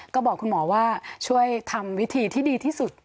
ก็บอกคุณหมอว่าช่วยทำวิธีที่ดีที่สุด